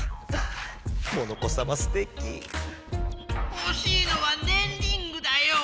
ほしいのはねんリングだよ！